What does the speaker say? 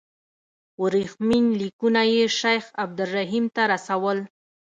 ورېښمین لیکونه یې شیخ عبدالرحیم ته رسول.